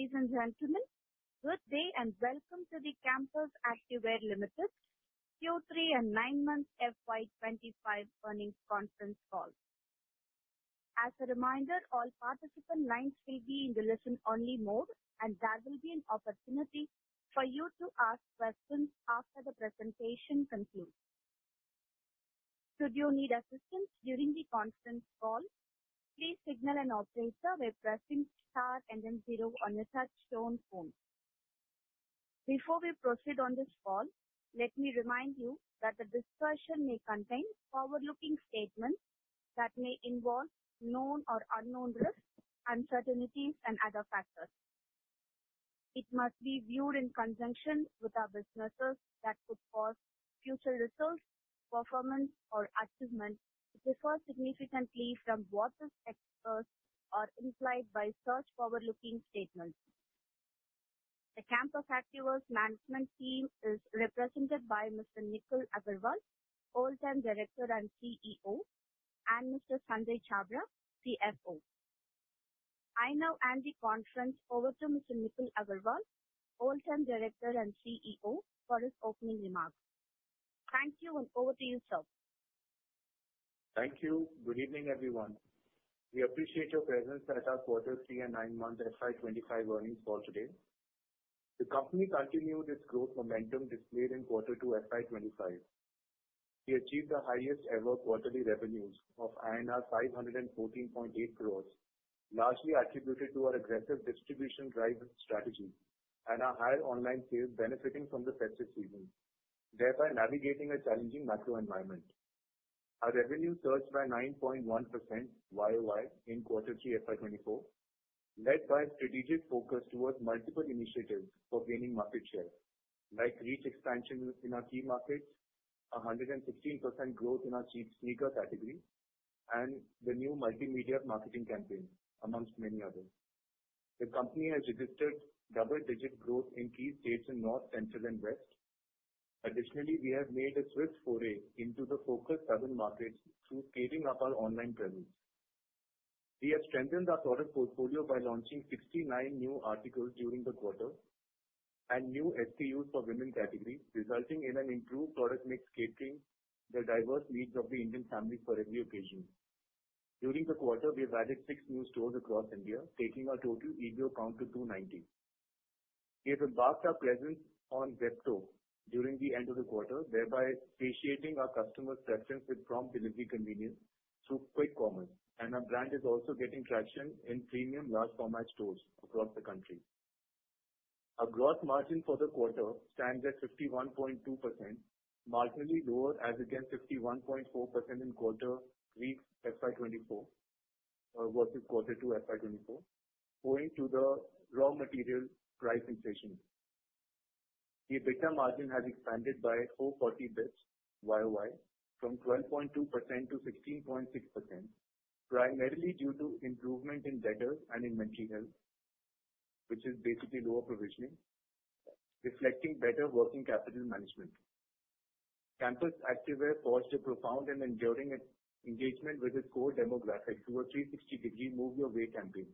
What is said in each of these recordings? Ladies and gentlemen, good day and welcome to the Campus Activewear Limited Q3 and 9 Month FY25 earnings conference call. As a reminder, all participant lines will be in the listen-only mode, and there will be an opportunity for you to ask questions after the presentation concludes. Should you need assistance during the conference call, please signal an operator by pressing star and then zero on your touch-tone phone. Before we proceed on this call, let me remind you that the discussion may contain forward-looking statements that may involve known or unknown risks, uncertainties, and other factors. It must be viewed in conjunction with our businesses that could cause future results, performance, or achievement to differ significantly from what is expressed or implied by such forward-looking statements. The Campus Activewear's management team is represented by Mr. Nikhil Aggarwal, Whole-time Director and CEO, and Mr. Sanjay Chhabra, CFO. I now hand the conference over to Mr. Nikhil Aggarwal, Whole Time Director and CEO, for his opening remarks. Thank you, and over to you, sir. Thank you. Good evening, everyone. We appreciate your presence at our Quarter 3 and 9 Month FY25 earnings call today. The company continued its growth momentum displayed in Quarter 2 FY25. We achieved the highest-ever quarterly revenues of INR 514.8 crores, largely attributed to our aggressive distribution-driven strategy and our higher online sales, benefiting from the festive season, thereby navigating a challenging macro environment. Our revenues surged by 9.1% YOY in Quarter 3 FY24, led by a strategic focus towards multiple initiatives for gaining market share, like reach expansion in our key markets, a 116% growth in our sneaker category, and the new multimedia marketing campaign, among many others. The company has registered double-digit growth in key states in North, Central, and West. Additionally, we have made a swift foray into the focused southern markets through scaling up our online presence. We have strengthened our product portfolio by launching 69 new articles during the quarter and new SKUs for women's categories, resulting in an improved product mix catering to the diverse needs of the Indian family for every occasion. During the quarter, we have added six new stores across India, taking our total EBO count to 290. We have marked our presence on Zepto towards the end of the quarter, thereby satiating our customers' preference with prompt delivery convenience through quick commerce, and our brand is also getting traction in premium large-format stores across the country. Our gross margin for the quarter stands at 51.2%, marginally lower as against 51.4% in Quarter 3 FY24 versus Quarter 2 FY24, owing to the raw material price inflation. The gross margin has expanded by 440 basis points YOY from 12.2% to 16.6%, primarily due to improvement in debtors and inventory health, which is basically lower provisioning, reflecting better working capital management. Campus Activewear forged a profound and enduring engagement with its core demographic through a 360-degree Move Your Way campaign,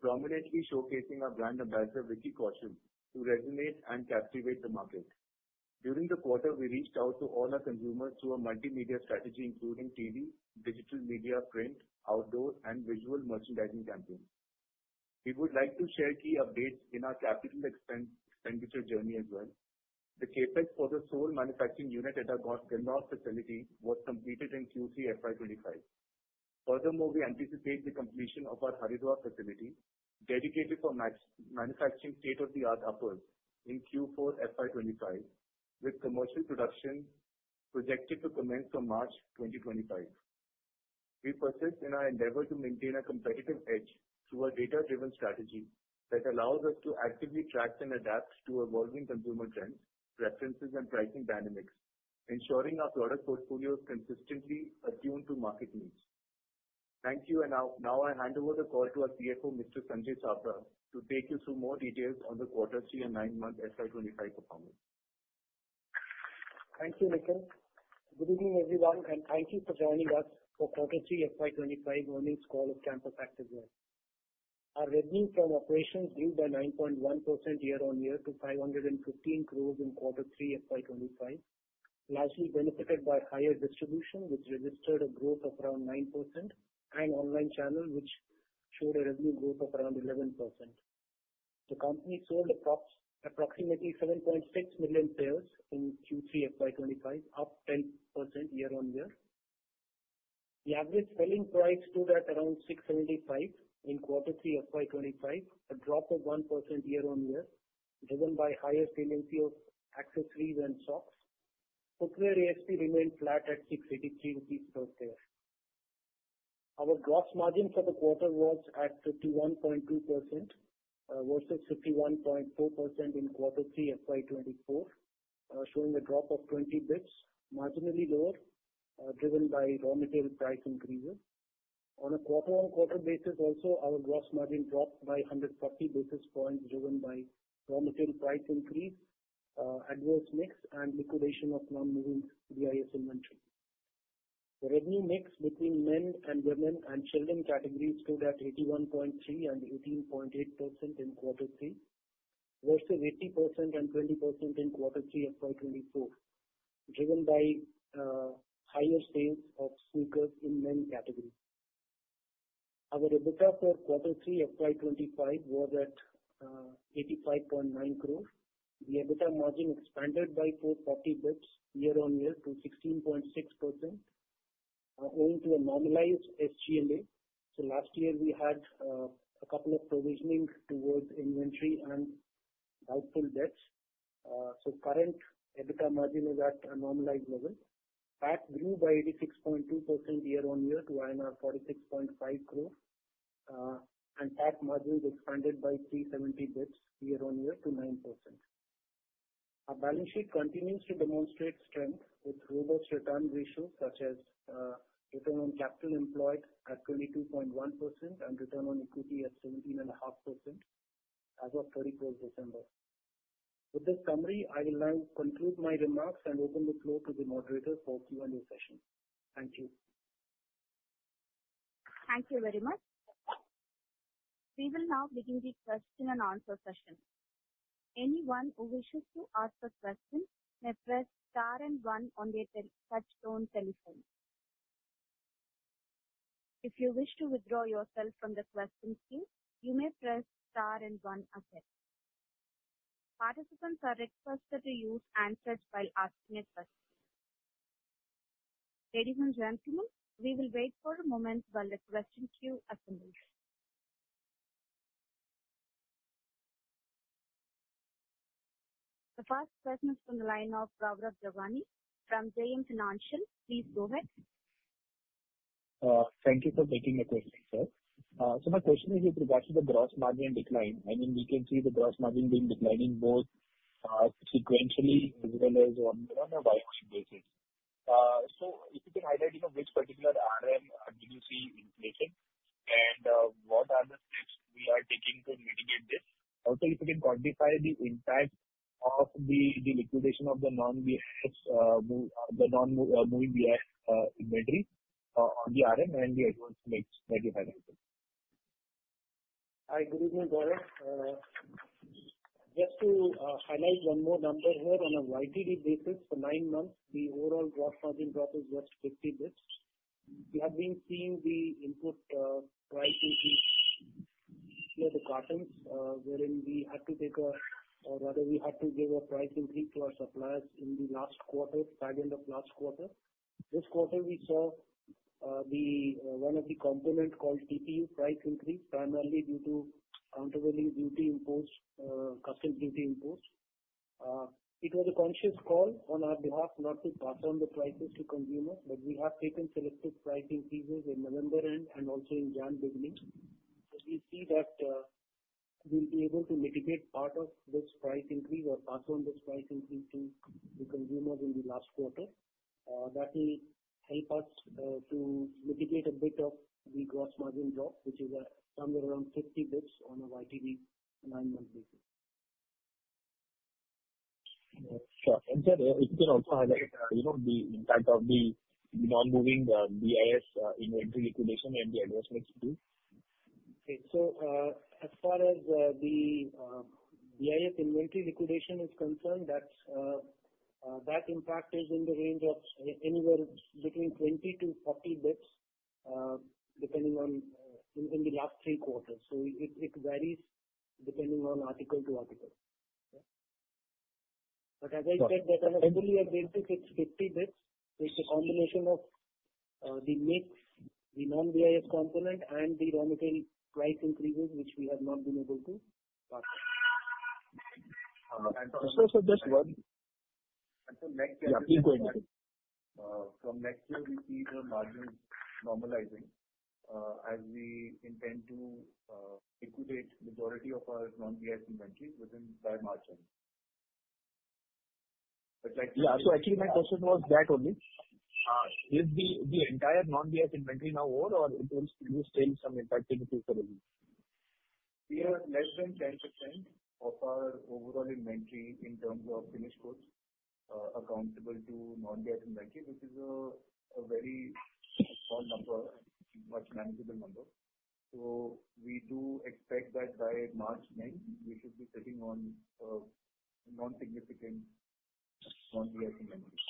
prominently showcasing our brand ambassador, Vicky Kaushal, to resonate and captivate the market. During the quarter, we reached out to all our consumers through a multimedia strategy, including TV, digital media, print, outdoor, and visual merchandising campaigns. We would like to share key updates in our capital expenditure journey as well. The CapEx for the sole manufacturing unit at our Gandhidham facility was completed in Q3 FY25. Furthermore, we anticipate the completion of our Haridwar facility, dedicated for manufacturing state-of-the-art uppers in Q4 FY25, with commercial production projected to commence from March 2025. We persist in our endeavor to maintain a competitive edge through a data-driven strategy that allows us to actively track and adapt to evolving consumer trends, preferences, and pricing dynamics, ensuring our product portfolios consistently attune to market needs. Thank you, and now I hand over the call to our CFO, Mr. Sanjay Chhabra, to take you through more details on the quarter 3 and 9-month FY25 performance. Thank you, Nikhil. Good evening, everyone, and thank you for joining us for Quarter 3 FY25 earnings call of Campus Activewear. Our revenue from operations grew by 9.1% year-on-year to 515 crores in Quarter 3 FY25, largely benefited by higher distribution, which registered a growth of around 9%, and online channel, which showed a revenue growth of around 11%. The company sold approximately 7.6 million pairs in Q3 FY25, up 10% year-on-year. The average selling price stood at around 675 in Quarter 3 FY25, a drop of 1% year-on-year, driven by higher salience of accessories and socks. Footwear ASP remained flat at 683 rupees per pair. Our gross margin for the quarter was at 51.2% versus 51.4% in Quarter 3 FY24, showing a drop of 20 basis points, marginally lower, driven by raw material price increases. On a quarter-on-quarter basis, also, our gross margin dropped by 140 basis points, driven by raw material price increase, adverse mix, and liquidation of non-moving BIS inventory. The revenue mix between men and women and children categories stood at 81.3% and 18.8% in Quarter 3 versus 80% and 20% in Quarter 3 FY24, driven by higher sales of sneakers in men category. Our EBITDA for Quarter 3 FY25 was at 85.9 crores. The EBITDA margin expanded by 440 basis points year-on-year to 16.6%, owing to a normalized SG&A. So last year, we had a couple of provisioning towards inventory and doubtful debts. So current EBITDA margin is at a normalized level. PAT grew by 86.2% year-on-year to INR 46.5 crores, and PAT margins expanded by 370 basis points year-on-year to 9%. Our balance sheet continues to demonstrate strength with robust return ratios, such as return on capital employed at 22.1% and return on equity at 17.5% as of 31st December. With this summary, I will now conclude my remarks and open the floor to the moderator for a Q&A session. Thank you. Thank you very much. We will now begin the question-and-answer session. Anyone who wishes to ask a question may press star and one on their touch-tone telephone. If you wish to withdraw yourself from the question queue, you may press star and one again. Participants are requested to use handsets while asking a question. Ladies and gentlemen, we will wait for a moment while the question queue assembles. The first question is from the line of Raghav Jagani from JM Financial. Please go ahead. Thank you for taking the question, sir. So my question is, with regards to the gross margin decline, I mean, we can see the gross margin being declining both sequentially as well as on a biweekly basis. So if you can highlight, you know, which particular RM did you see inflated, and what are the steps we are taking to mitigate this? Also, if you can quantify the impact of the liquidation of the non-VIS, the non-moving VIS inventory on the RM and the adverse mix, maybe highlight it. Hi, good evening, Raghav. Just to highlight one more number here, on a YTD basis, for nine months, the overall gross margin drop is just 50 basis points. We have been seeing the input price increase in the cotton, wherein we had to take a, or rather, we had to give a price increase to our suppliers in the last quarter, the back end of last quarter. This quarter, we saw one of the components called TPU price increase, primarily due to countervailing duty imposed, customs duty imposed. It was a conscious call on our behalf not to pass on the prices to consumers, but we have taken selective price increases in November and also in January beginning, so we see that we'll be able to mitigate part of this price increase or pass on this price increase to the consumers in the last quarter. That will help us to mitigate a bit of the gross margin drop, which is somewhere around 50 basis points on a YTD nine-month basis. Sure. And sir, if you can also highlight, you know, the impact of the non-moving VIS inventory liquidation and the adverse mix due? Okay, so as far as the VIS inventory liquidation is concerned, that impact is in the range of anywhere between 20-40 basis points, depending on, in the last three quarters. So it varies depending on article to article. But as I said, that, on a full-year basis, it's 50 basis points, which is a combination of the mix, the non-VIS component, and the raw material price increases, which we have not been able to pass on. Sir, so just one. Next year, we see. Yeah, please go ahead. From next year, we see the margins normalizing as we intend to liquidate the majority of our non-VIS inventory by March end. Yeah, so actually, my question was that only. Is the entire non-VIS inventory now over, or it will still be some impacted in future revenue? We have less than 10% of our overall inventory in terms of finished goods accountable to non-VIS inventory, which is a very small number, much manageable number. So we do expect that by March 9th, we should be sitting on a non-significant non-VIS inventory.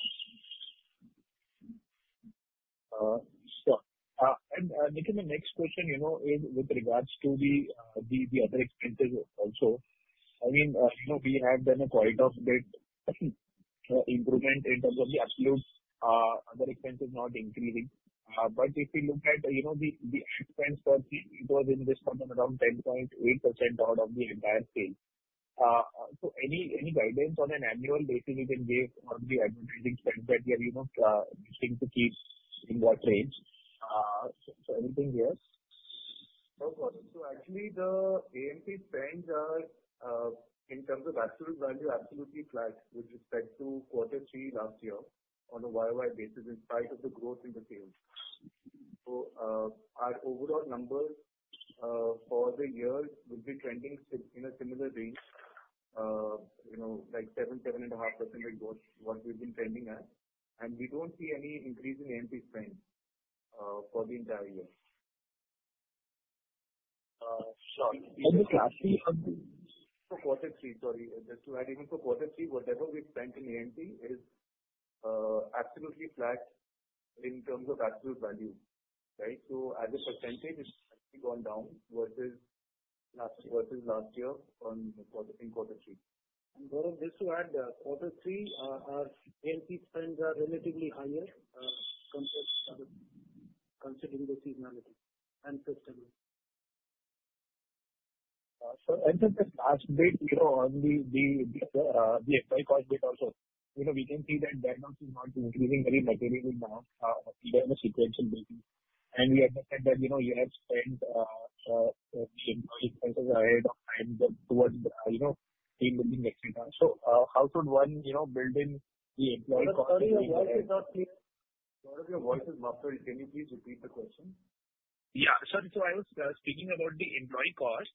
Sure. And Nikhil, the next question, you know, is with regards to the other expenses also. I mean, you know, we have done quite a bit improvement in terms of the absolute other expenses not increasing. But if you look at, you know, the expense per se, it was in this quarter around 10.8% out of the entire sale. So any guidance on an annual basis you can give on the advertising spend that we are, you know, wishing to keep in that range? So anything here? No problem. So actually, the AMP spend in terms of absolute value is absolutely flat with respect to Quarter 3 last year on a YOY basis, in spite of the growth in the sales. So our overall numbers for the year will be trending in a similar range, you know, like 7%-7.5% is what we've been trending at. And we don't see any increase in AMP spend for the entire year. Sure. And Nikhil, actually- For Quarter 3, sorry, just to add, even for Quarter 3, whatever we spent in AMP is absolutely flat in terms of absolute value, right? So as a percentage, it's actually gone down versus last year on Quarter 3, and more on this to add, Quarter 3, our AMP spend are relatively higher considering the seasonality and festival. Sir, and then the last bit, you know, on the employee cost bit also, you know, we can see that that note is not increasing very materially now, either in a sequential basis. And we understand that, you know, you have spent the employee expenses ahead of time towards the, you know, team building, etc. So how should one, you know, build in the employee cost? Sorry, your voice is not clear. Sorry, your voice is muffled. Can you please repeat the question? Yeah. So I was speaking about the employee cost.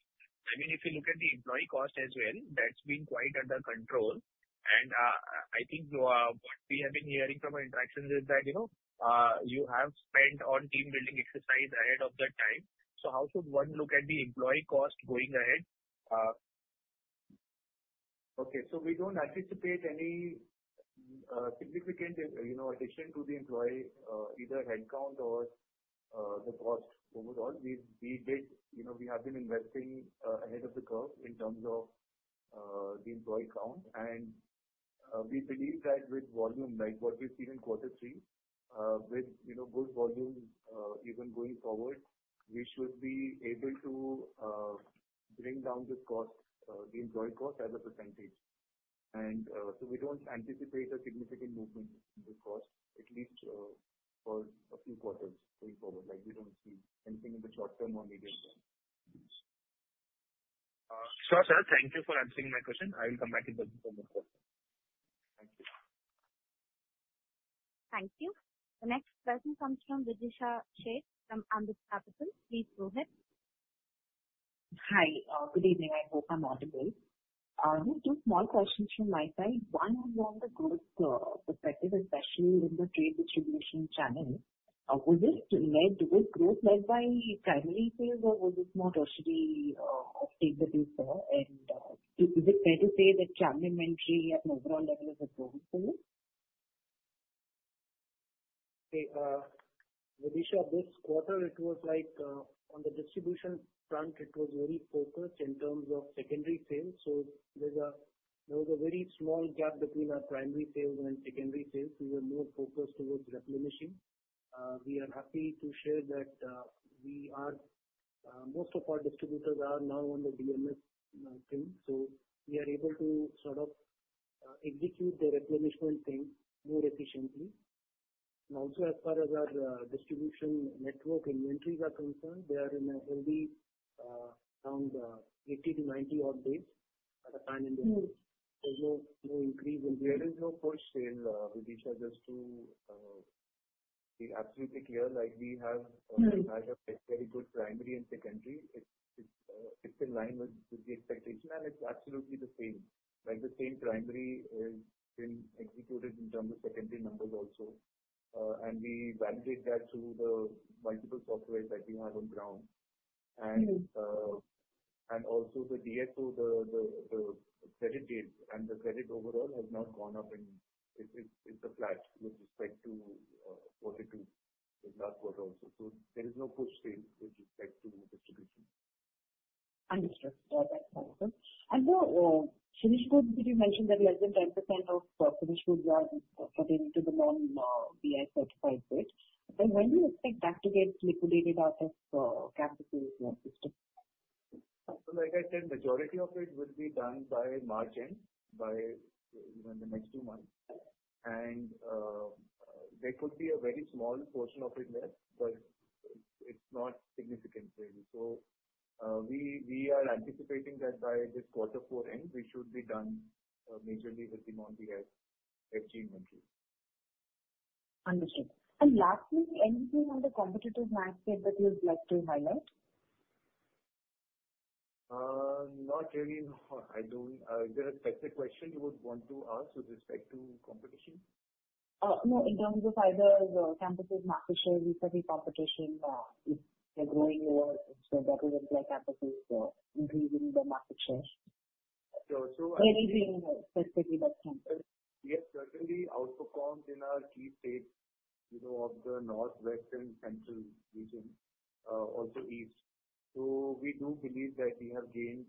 I mean, if you look at the employee cost as well, that's been quite under control. And I think what we have been hearing from our interactions is that, you know, you have spent on team building exercise ahead of that time. So how should one look at the employee cost going ahead? Okay. So we don't anticipate any significant, you know, addition to the employee, either headcount or the cost overall. We did, you know, we have been investing ahead of the curve in terms of the employee count. And we believe that with volume, like what we've seen in Quarter 3, with, you know, good volumes even going forward, we should be able to bring down this cost, the employee cost, as a percentage. And so we don't anticipate a significant movement in this cost, at least for a few quarters going forward. Like, we don't see anything in the short term or medium term. Sure, sir. Thank you for answering my question. I will come back in touch with some more questions. Thank you. Thank you. The next question comes from Videesha Sheth from Ambit Capital. Please go ahead. Hi, good evening. I hope I'm audible. Just two small questions from my side. One, on the growth perspective, especially in the trade distribution channel, was growth led by primary sales, or was this more tertiary off-take that you saw? And is it fair to say that channel inventory at an overall level is a growth phase? Okay. Vidisha, this quarter, it was like on the distribution front, it was very focused in terms of secondary sales. So there was a very small gap between our primary sales and secondary sales. We were more focused towards replenishing. We are happy to share that most of our distributors are now on the DMS thing. So we are able to sort of execute the replenishment thing more efficiently. And also, as far as our distribution network inventories are concerned, they are healthy around 80-90-odd days at a time in the year. There's no increase in. There is no push sale, Vidisha, just to be absolutely clear. Like, we have a very good primary and secondary. It's in line with the expectation, and it's absolutely the same. Like, the same primary has been executed in terms of secondary numbers also, and we validate that through the multiple software that we have on ground, and also the DSO, the credit date, and the credit overall has not gone up, and it's flat with respect to Quarter 2, last quarter also, so there is no push sale with respect to distribution. Understood. That's helpful. And the finished goods, you mentioned that less than 10% of finished goods are pertaining to the non-VIS certified goods. But when do you expect that to get liquidated out of Campus's and systems? Like I said, majority of it will be done by March end, by the next two months. And there could be a very small portion of it left, but it's not significant. So we are anticipating that by this Quarter 4 end, we should be done majorly with the non-VIS FG inventory. Understood. And lastly, anything on the competitive mindset that you'd like to highlight? Not really. I don't. Is there a specific question you would want to ask with respect to competition? No, in terms of either Campus's market share, recovery competition, if they're growing more, so that will imply Campus increasing their market share. Sure. So I Anything specifically that stands out? Yes, certainly outperformed in our key states, you know, of the north, west, and central region, also east, so we do believe that we have gained,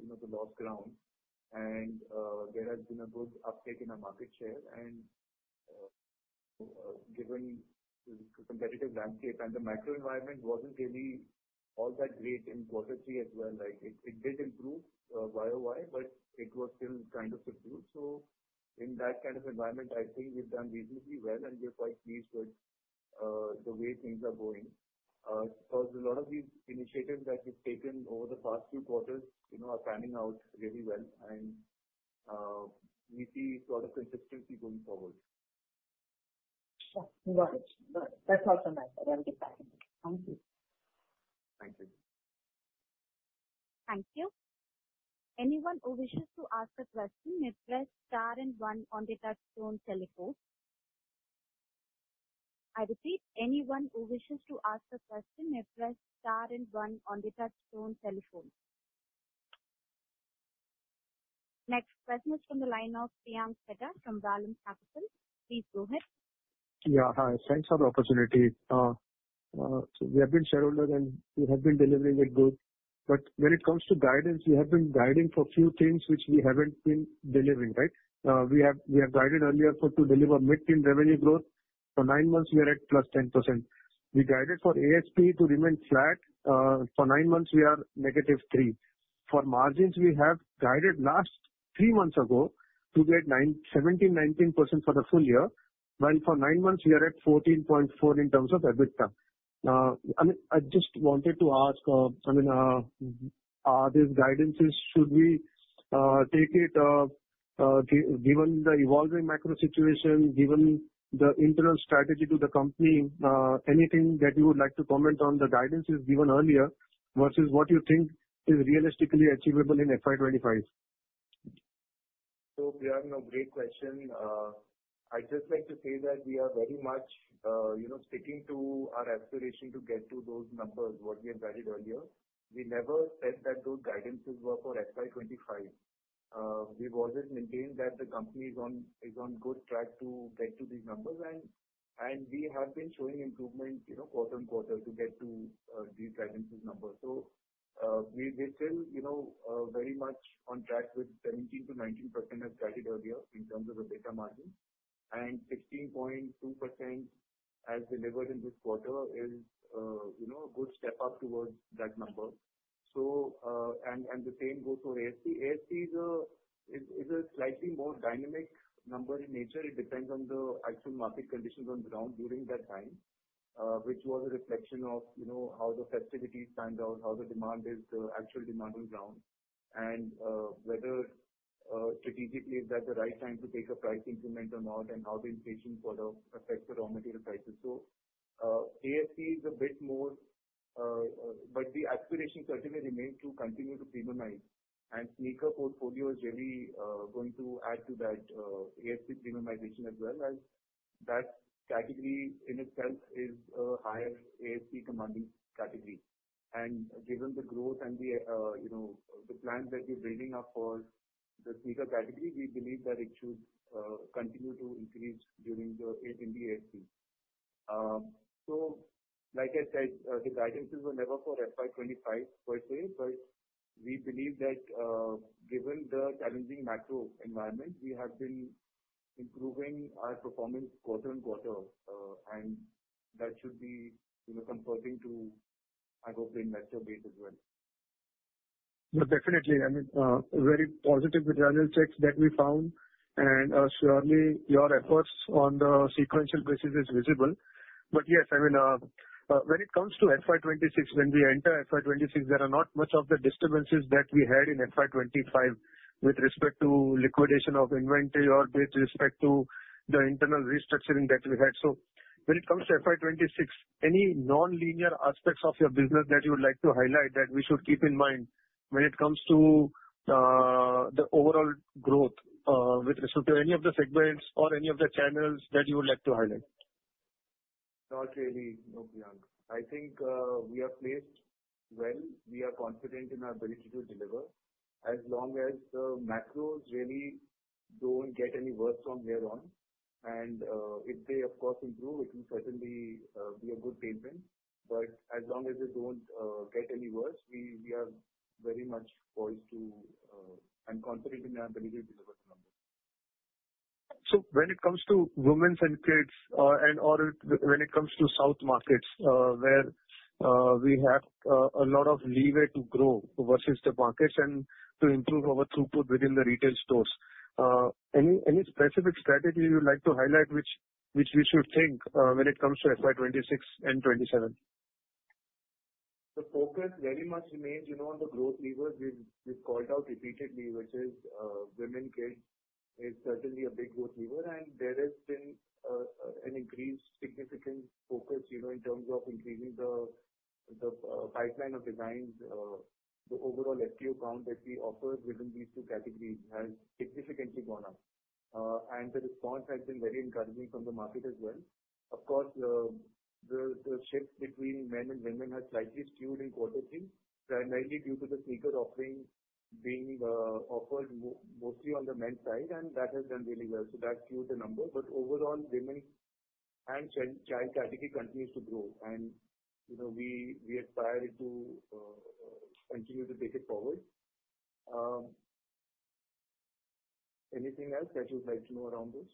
you know, the lost ground, and there has been a good uptake in our market share, and given the competitive landscape and the macro environment wasn't really all that great in Quarter 3 as well, like, it did improve YOY, but it was still kind of subdued, so in that kind of environment, I think we've done reasonably well, and we're quite pleased with the way things are going, because a lot of these initiatives that we've taken over the past few quarters, you know, are panning out really well, and we see a lot of consistency going forward. Sure. Got it. That's all from my side. I will get back in touch. Thank you. Thank you. Thank you. Anyone who wishes to ask a question may press star and one on the touch-tone telephone. I repeat, anyone who wishes to ask a question may press star and one on the touch-tone telephone. Next question is from the line of Priyank Sheth from Reliance Capital. Please go ahead. Yeah. Hi. Thanks for the opportunity. So we have been shareholders, and we have been delivering good. But when it comes to guidance, we have been guiding for a few things which we haven't been delivering, right? We have guided earlier to deliver mid-teen revenue growth. For nine months, we are at plus 10%. We guided for ASP to remain flat. For nine months, we are negative 3%. For margins, we have guided last three months ago to get 17%-19% for the full year, while for nine months, we are at 14.4 in terms of EBITDA. I mean, I just wanted to ask, I mean, are these guidances? Should we take it given the evolving macro situation, given the internal strategy to the company? Anything that you would like to comment on the guidances given earlier versus what you think is realistically achievable in FY 2025? So, Priyank, a great question. I'd just like to say that we are very much, you know, sticking to our aspiration to get to those numbers, what we have guided earlier. We never said that those guidances were for FY 2025. We've always maintained that the company is on good track to get to these numbers. And we have been showing improvement, you know, quarter on quarter to get to these guidances numbers. So we're still, you know, very much on track with 17%-19% as guided earlier in terms of the EBITDA margin. And 16.2% as delivered in this quarter is, you know, a good step up towards that number. So, and the same goes for ASP. ASP is a slightly more dynamic number in nature. It depends on the actual market conditions on the ground during that time, which was a reflection of, you know, how the festivities stand out, how the demand is, the actual demand on the ground, and whether strategically is that the right time to take a price increment or not, and how the inflation sort of affects the raw material prices, so ASP is a bit more, but the aspiration certainly remains to continue to premiumize, and Sneaker Portfolio is really going to add to that ASP premiumization as well, as that category in itself is a higher ASP commanding category, and given the growth and the, you know, the plans that we're building up for the Sneaker category, we believe that it should continue to increase during the ASP. So, like I said, the guidances were never for FY 25 per se, but we believe that given the challenging macro environment, we have been improving our performance quarter on quarter, and that should be, you know, converting to, I hope, the investor base as well. Yeah, definitely. I mean, very positive with the analytics that we found, and surely your efforts on the sequential basis is visible, but yes, I mean, when it comes to FY 2026, when we enter FY 2026, there are not much of the disturbances that we had in FY 2025 with respect to liquidation of inventory or with respect to the internal restructuring that we had, so when it comes to FY 2026, any non-linear aspects of your business that you would like to highlight that we should keep in mind when it comes to the overall growth with respect to any of the segments or any of the channels that you would like to highlight? Not really, no, Priyank. I think we are placed well. We are confident in our ability to deliver as long as the macros really don't get any worse from here on. And if they, of course, improve, it will certainly be a good statement. But as long as they don't get any worse, we are very much poised to and confident in our ability to deliver the numbers. So when it comes to women's and kids, and/or when it comes to South markets, where we have a lot of leeway to grow versus the markets and to improve our throughput within the retail stores, any specific strategy you'd like to highlight which we should think when it comes to FY 2026 and 2027? The focus very much remains, you know, on the growth levers we've called out repeatedly, which is women/kids is certainly a big growth lever. And there has been an increased significant focus, you know, in terms of increasing the pipeline of designs. The overall SKU count that we offer within these two categories has significantly gone up. And the response has been very encouraging from the market as well. Of course, the shift between men and women has slightly skewed in quarter 3, primarily due to the sneaker offering being offered mostly on the men's side. And that has done really well. So that skewed the number. But overall, women and child category continues to grow. And, you know, we aspire to continue to take it forward. Anything else that you'd like to know around this?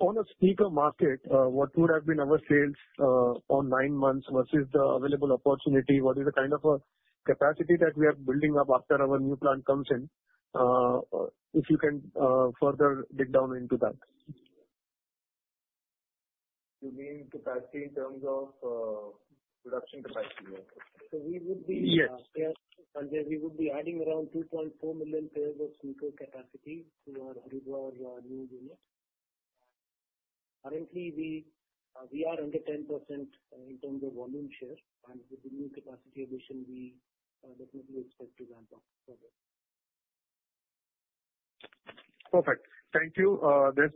On the sneaker market, what would have been our sales on nine months versus the available opportunity? What is the kind of capacity that we are building up after our new plant comes in? If you can further dig down into that. You mean capacity in terms of production capacity? So we would be. Yes. Sanjay, we would be adding around 2.4 million pairs of sneakers capacity to our Haridwar new unit. Currently, we are under 10% in terms of volume share, and with the new capacity addition, we definitely expect to ramp up further. Perfect. Thank you.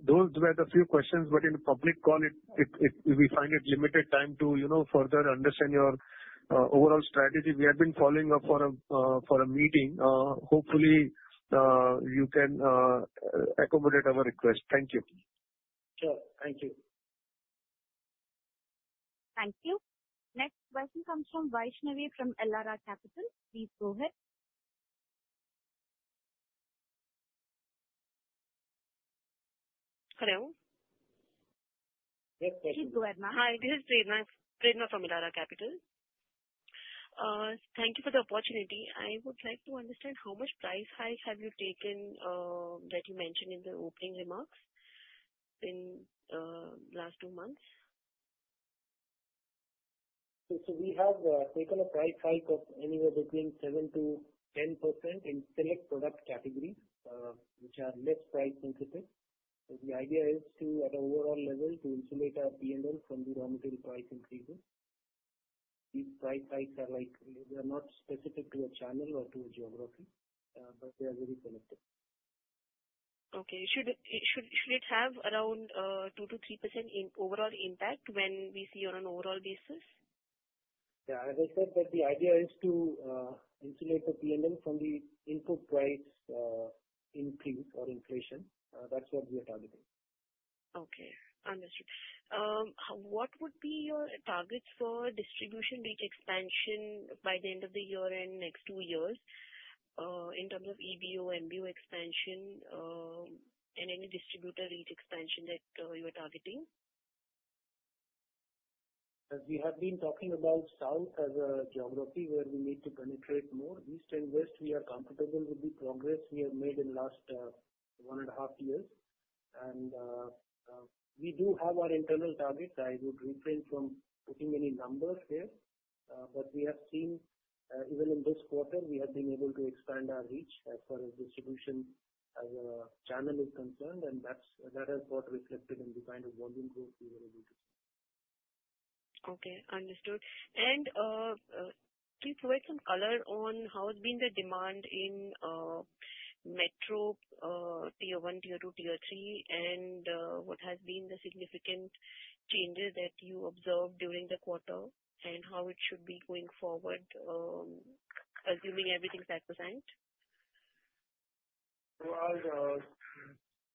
Those were the few questions. But in a public call, we find it limited time to, you know, further understand your overall strategy. We have been following up for a meeting. Hopefully, you can accommodate our request. Thank you. Sure. Thank you. Thank you. Next question comes from Vaishnavi from Elara Capital. Please go ahead. Hello. Yes, Vaishnavi. Please go ahead, ma'am. Hi, this is Priyanka from Elara Capital. Thank you for the opportunity. I would like to understand how much price hike have you taken that you mentioned in the opening remarks in the last two months? We have taken a price hike of anywhere between 7%-10% in select product categories which are less price sensitive. The idea is to, at an overall level, insulate our P&L from the raw material price increases. These price hikes are like they are not specific to a channel or to a geography, but they are very selective. Okay. Should it have around 2%-3% in overall impact when we see on an overall basis? Yeah. As I said, the idea is to insulate the P&L from the input price increase or inflation. That's what we are targeting. Okay. Understood. What would be your targets for distribution reach expansion by the end of the year and next two years in terms of EBO, MBO expansion, and any distributor reach expansion that you are targeting? As we have been talking about South as a geography where we need to penetrate more, East and West, we are comfortable with the progress we have made in the last one and a half years. We do have our internal targets. I would refrain from putting any numbers here. We have seen, even in this quarter, we have been able to expand our reach as far as distribution as a channel is concerned. That has been reflected in the kind of volume growth we were able to see. Okay. Understood, and please provide some color on how has been the demand in Metro, Tier 1, Tier 2, Tier 3, and what has been the significant changes that you observed during the quarter and how it should be going forward, assuming everything's at present? Our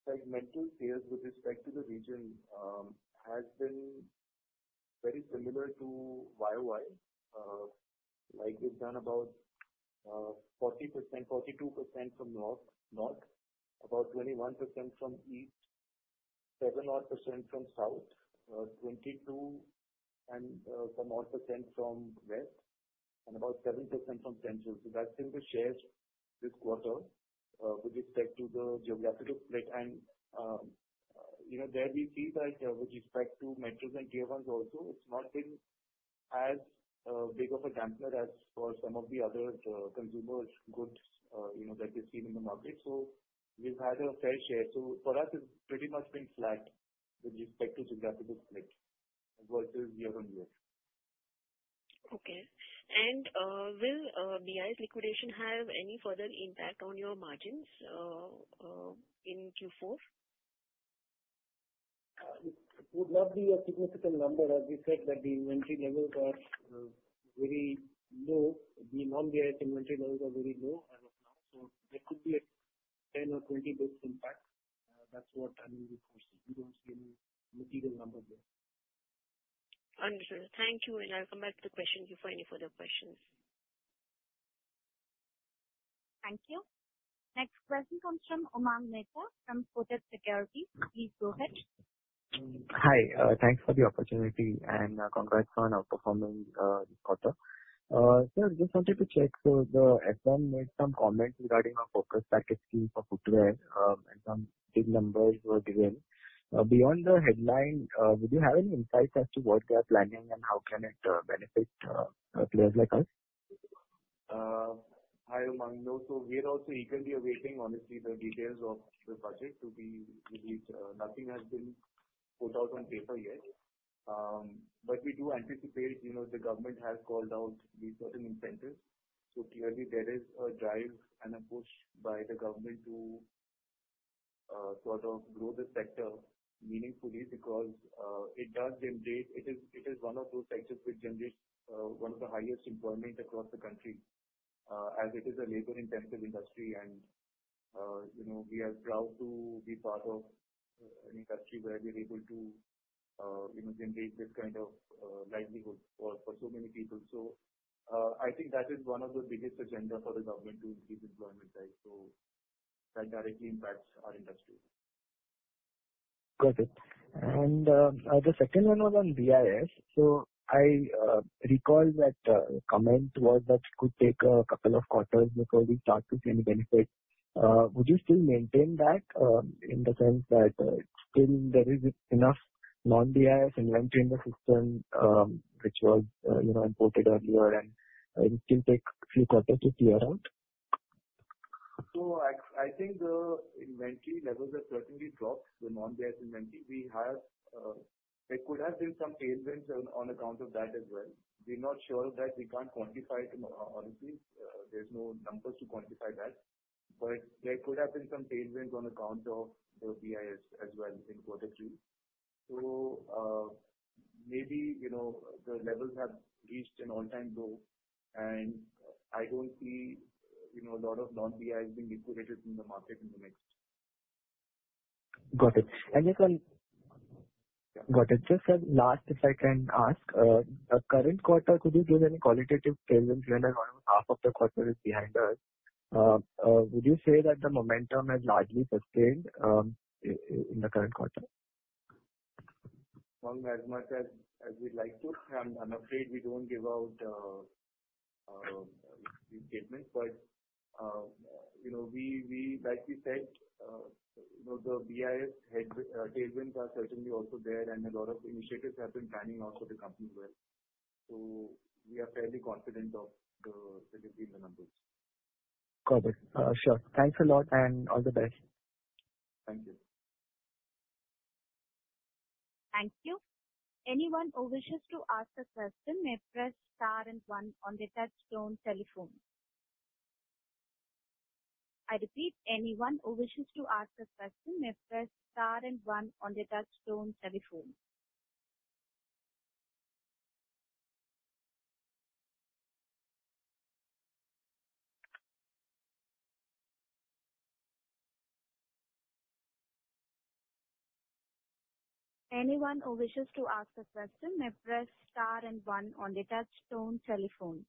segmental sales with respect to the region has been very similar to YOY. Like, we've done about 40%-42% from North, about 21% from East, 7% from South, 22% and some 1% from West, and about 7% from Central. That's been the shares this quarter with respect to the geographical split. You know, there we see that with respect to Metro and Tier 1 also, it's not been as big of a damper as for some of the other consumer goods, you know, that we've seen in the market. We've had a fair share. For us, it's pretty much been flat with respect to geographical split versus year on year. Okay. And will BI's liquidation have any further impact on your margins in Q4? It would not be a significant number. As we said, the inventory levels are very low. The non-BIS inventory levels are very low as of now. So there could be a 10 or 20 basis points impact. That's what I'm looking for. We don't see any material numbers there. Understood. Thank you, and I'll come back to the question if you have any further questions. Thank you. Next question comes from Umang Mehta from Kotak Security. Please go ahead. Hi. Thanks for the opportunity and congrats on outperforming this quarter. Sir, just wanted to check. So the FM made some comments regarding our focus package scheme for footwear, and some big numbers were given. Beyond the headline, would you have any insights as to what they are planning and how can it benefit players like us? Hi, Oman, so we are also eagerly awaiting, honestly, the details of the budget to be released. Nothing has been put out on paper yet, but we do anticipate, you know, the government has called out these certain incentives, so clearly, there is a drive and a push by the government to sort of grow the sector meaningfully because it does generate, it is one of those sectors which generates one of the highest employment across the country as it is a labor-intensive industry, and, you know, we are proud to be part of an industry where we're able to, you know, generate this kind of livelihood for so many people, so I think that is one of the biggest agendas for the government to increase employment, right, so that directly impacts our industry. Got it. And the second one was on BIS. So I recall that comment was that it could take a couple of quarters before we start to see any benefit. Would you still maintain that in the sense that still there is enough non-BIS inventory in the system which was, you know, imported earlier, and it will still take a few quarters to clear out? So I think the inventory levels have certainly dropped, the non-BIS inventory. We have, there could have been some tailwinds on account of that as well. We're not sure of that. We can't quantify it, honestly. There's no numbers to quantify that. But there could have been some tailwinds on account of the BIS as well in quarter 3. So maybe, you know, the levels have reached an all-time low, and I don't see, you know, a lot of non-BIS being liquidated in the market in the next. Got it. And if I'm Yeah. Got it. Just last, if I can ask, the current quarter, could you give any qualitative tailwinds when around half of the quarter is behind us? Would you say that the momentum has largely sustained in the current quarter? As much as we'd like to. I'm afraid we don't give out these statements. But, you know, we, like we said, you know, the BIS tailwinds are certainly also there, and a lot of initiatives have been planning also the company well. So we are fairly confident of the delivery in the numbers. Got it. Sure. Thanks a lot and all the best. Thank you. Thank you. Anyone who wishes to ask a question may press star and one on the touch-tone telephone. I repeat, anyone who wishes to ask a question may press star and one on the touch-tone telephone. Anyone who wishes to ask a question may press star and one on the touch-tone telephone.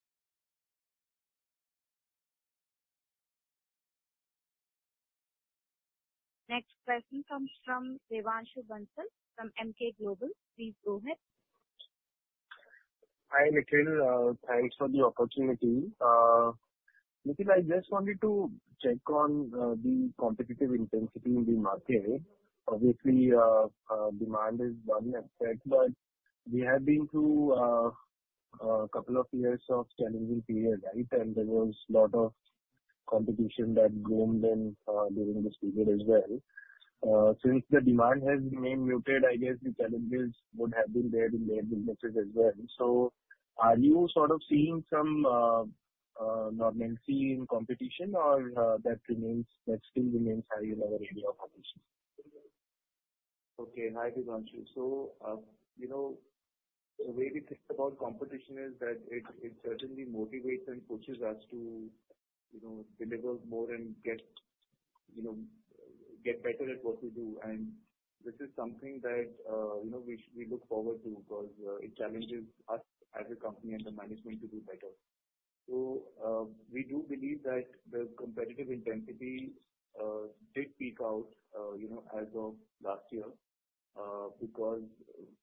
Next question comes from Devanshu Bansal from Emkay Global. Please go ahead. Hi, Nikhil. Thanks for the opportunity. Nikhil, I just wanted to check on the competitive intensity in the market. Obviously, demand is down, I said. But we have been through a couple of years of challenging period, right? And there was a lot of competition that bloomed during this period as well. Since the demand has remained muted, I guess the challenges would have been there in their businesses as well. So are you sort of seeing some easing of competition, or that still remains high in our area of competition? Okay. Hi, Devanshu. So, you know, the way we think about competition is that it certainly motivates and pushes us to, you know, deliver more and get, you know, get better at what we do. And this is something that, you know, we look forward to because it challenges us as a company and the management to do better. So we do believe that the competitive intensity did peak out, you know, as of last year because,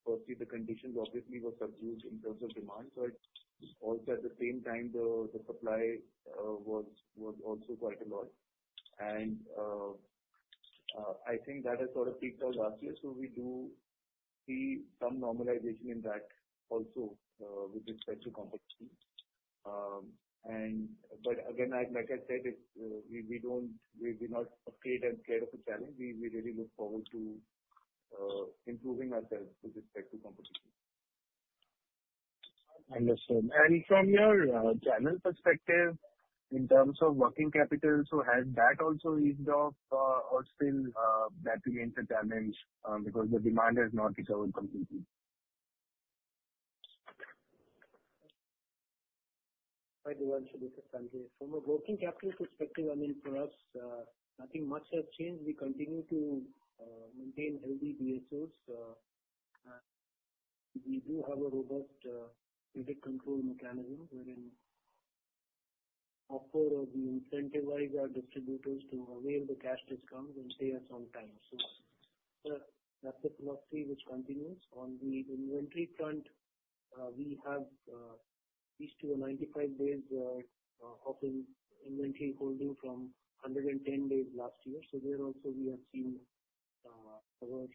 firstly, the conditions obviously were subdued in terms of demand. But also, at the same time, the supply was also quite a lot. And I think that has sort of peaked out last year. So we do see some normalization in that also with respect to competition. And, but again, like I said, we don't, we're not afraid and scared of the challenge. We really look forward to improving ourselves with respect to competition. Understood. And from your channel perspective, in terms of working capital, so has that also eased off or still that remains a challenge because the demand has not recovered completely? Hi, Devanshu. This is Sanjay. From a working capital perspective, I mean, for us, nothing much has changed. We continue to maintain healthy BSOs. We do have a robust credit control mechanism wherein we offer to incentivize our distributors to avail the cash discount when they have some time. So that's the philosophy which continues. On the inventory front, we have reached to a 95 days of inventory holding from 110 days last year. So there also, we have seen whatever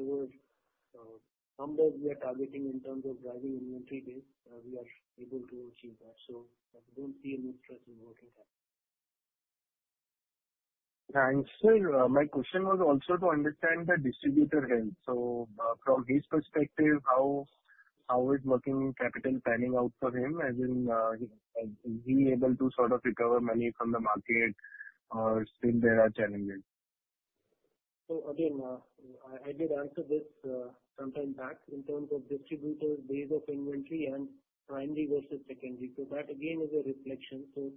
numbers we are targeting in terms of driving inventory base, we are able to achieve that. So we don't see any stress in working capital. Thanks. Sir, my question was also to understand the distributor health. So from his perspective, how is working capital planning out for him? As in, is he able to sort of recover money from the market, or still there are challenges? So again, I did answer this some time back in terms of distributors, days of inventory, and primary versus secondary, so that again is a reflection, so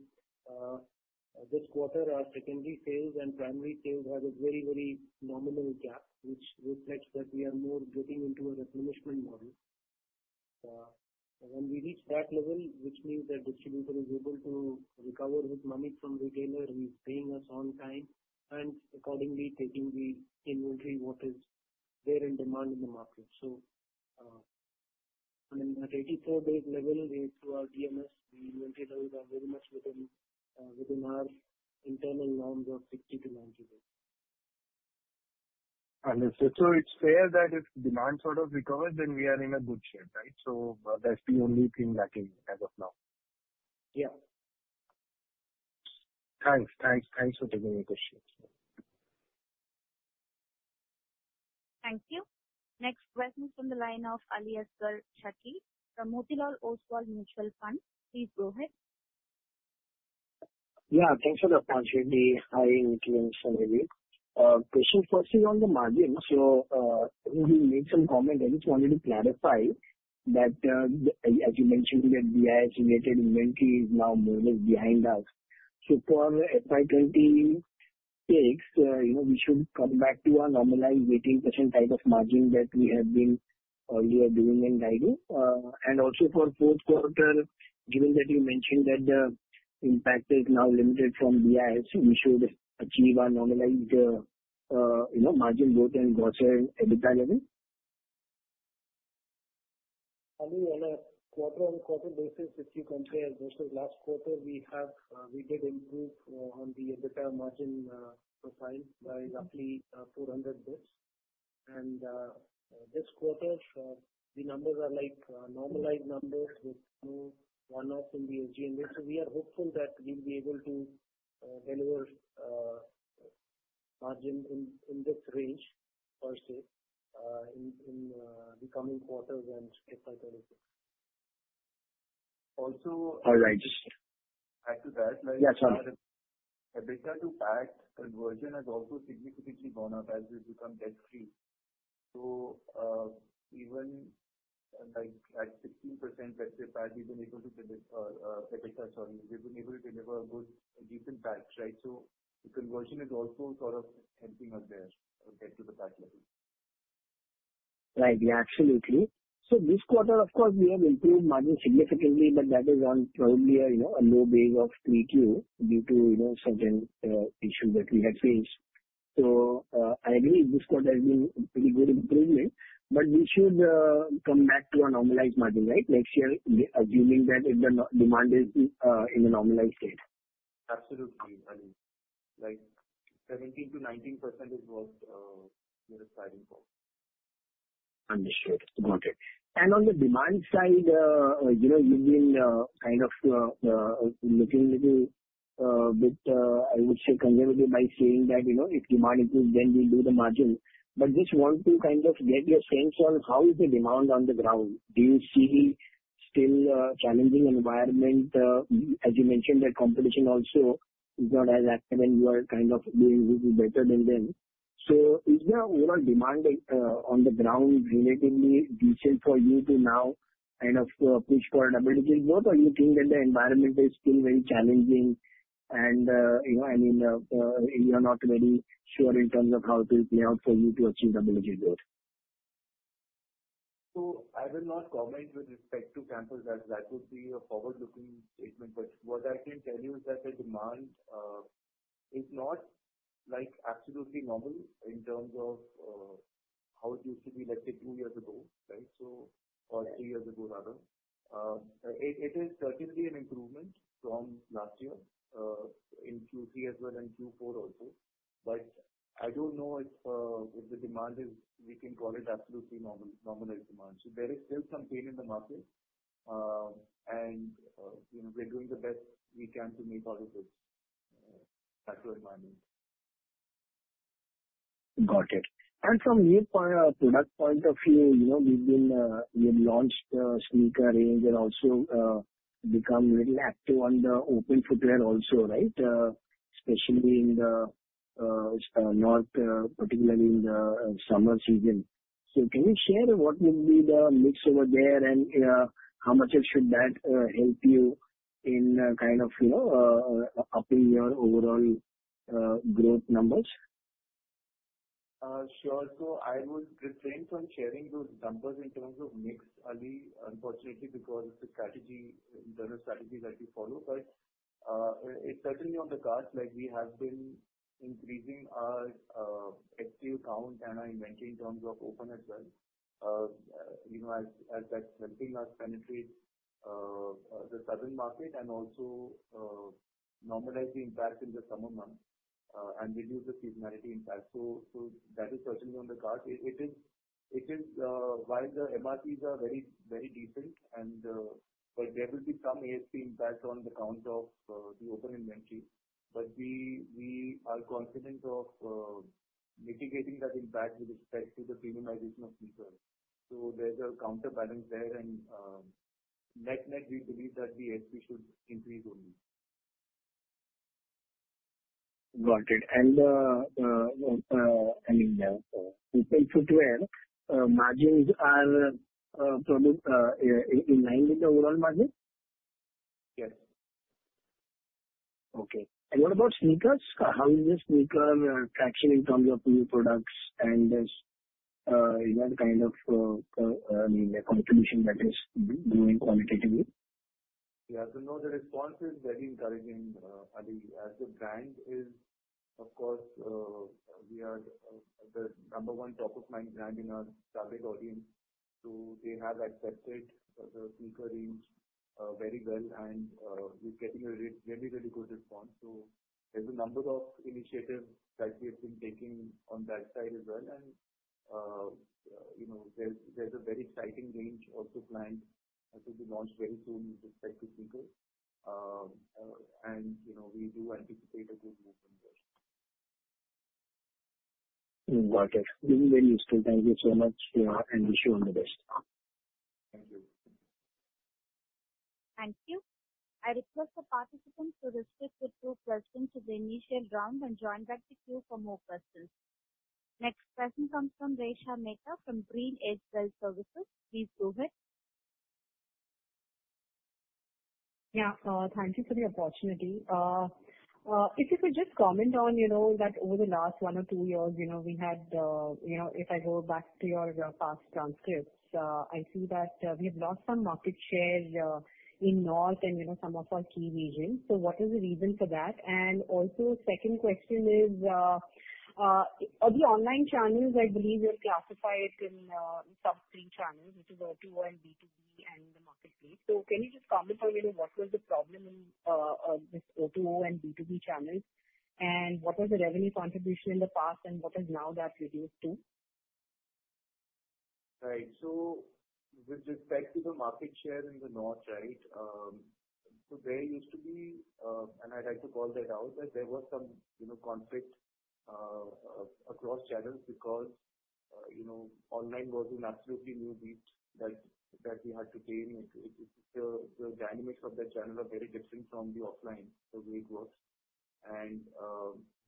this quarter, our secondary sales and primary sales have a very, very nominal gap, which reflects that we are more getting into a replenishment model. When we reach that level, which means that distributor is able to recover his money from retailer, he's paying us on time and accordingly taking the inventory what is there in demand in the market, so at 84 days level, to our DMS, the inventory levels are very much within our internal norms of 60-90 days. Understood. So it's fair that if demand sort of recovers, then we are in a good shape, right? So that's the only thing lacking as of now. Yeah. Thanks for taking the question. Thank you. Next question from the line of Aliasgar Shakir from Motilal Oswal Mutual Fund. Please go ahead. Yeah. Thanks for the opportunity. Hi, Nikhil Bansal here. Question firstly on the margin. So I will make some comment. I just wanted to clarify that, as you mentioned, that BIS-related inventory is now more or less behind us. So for FY26, you know, we should come back to our normalized 18% type of margin that we have been earlier doing and guiding. And also for fourth quarter, given that you mentioned that the impact is now limited from BIS, we should achieve our normalized, you know, margin both in gross and EBITDA level? On a quarter-on-quarter basis, if you compare versus last quarter, we did improve on the EBITDA margin profile by roughly 400 basis points. And this quarter, the numbers are like normalized numbers with no one-off in the SG&A. So we are hopeful that we'll be able to deliver margin in this range, per se, in the coming quarters and FY26. Also. All right. Just. Back to that. Yeah, sorry. EBITDA to PACT conversion has also significantly gone up as we've become debt-free. So even like at 16%, let's say, PACT, we've been able to deliver, sorry, we've been able to deliver a good, decent PACT, right? So the conversion is also sort of helping us there to get to the PACT level. Right. Yeah, absolutely. So this quarter, of course, we have improved margin significantly, but that is on probably a, you know, a low base of 3Q due to, you know, certain issues that we had faced. So I agree this quarter has been a pretty good improvement, but we should come back to our normalized margin, right? Next year, assuming that if the demand is in a normalized state. Absolutely. Like 17%-19% is what we're aspiring for. Understood. Got it. And on the demand side, you know, you've been kind of looking a little bit, I would say, conservative by saying that, you know, if demand improves, then we'll do the margin. But just want to kind of get your sense on how is the demand on the ground? Do you see still a challenging environment? As you mentioned, that competition also is not as active and you are kind of doing a little better than them. So is the overall demand on the ground relatively decent for you to now kind of push for a double digit growth? Or do you think that the environment is still very challenging and, you know, I mean, you're not very sure in terms of how it will play out for you to achieve double digit growth? So I will not comment with respect to Campus as that would be a forward-looking statement. But what I can tell you is that the demand is not like absolutely normal in terms of how it used to be, let's say, two years ago, right? So or three years ago, rather. It is certainly an improvement from last year in Q3 as well and Q4 also. But I don't know if the demand is, we can call it absolutely normalized demand. So there is still some pain in the market. And, you know, we're doing the best we can to make all of this natural environment. Got it. And from your product point of view, you know, we've launched a sneaker range and also become really active on the open footwear also, right? Especially in the north, particularly in the summer season. So can you share what would be the mix over there and how much should that help you in kind of, you know, upping your overall growth numbers? Sure. So I would refrain from sharing those numbers in terms of mix, Ali, unfortunately, because it's a strategy, internal strategy that we follow. But it's certainly on the cards. Like we have been increasing our FT account and our inventory in terms of open as well. You know, as that's helping us penetrate the southern market and also normalize the impact in the summer months and reduce the seasonality impact. So that is certainly on the cards. It is, while the MRPs are very, very decent, but there will be some ASP impact on the count of the open inventory. But we are confident of mitigating that impact with respect to the premiumization of sneakers. So there's a counterbalance there. And net net, we believe that the ASP should increase only. Got it. And I mean, open footwear margins are probably in line with the overall margin? Yes. Okay. And what about sneakers? How is the sneaker traction in terms of new products and, you know, the kind of, I mean, the contribution that is doing qualitatively? Yes. And no, the response is very encouraging, Ali. As the brand is, of course, we are the number one top-of-mind brand in our target audience. So they have accepted the sneaker range very well. And we're getting a really, really good response. So there's a number of initiatives that we have been taking on that side as well. And, you know, there's a very exciting range also planned to be launched very soon with respect to sneakers. And, you know, we do anticipate a good move from there. Got it. Really, really useful. Thank you so much. And wish you all the best. Thank you. Thank you. I request the participants to restrict the two questions to the initial round and join back to Q for more questions. Next question comes from Resha Mehta from GreenEdge Wealth Services. Please go ahead. Yeah. Thank you for the opportunity. If you could just comment on, you know, that over the last one or two years, you know, we had, you know, if I go back to your past transcripts, I see that we have lost some market share in north and, you know, some of our key regions. So what is the reason for that? And also, second question is, the online channels, I believe you have classified in sub-three channels, which is O2O and B2B and the marketplace. So can you just comment on, you know, what was the problem with O2O and B2B channels? And what was the revenue contribution in the past? And what has now that reduced to? Right. So with respect to the market share in the north, right, so there used to be, and I'd like to call that out, that there was some, you know, conflict across channels because, you know, online was an absolutely new beat that we had to gain. The dynamics of the channel are very different from the offline, the way it works. And